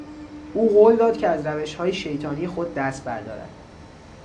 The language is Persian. او قول داد که از روشهای شیطانی خود دست بردارد.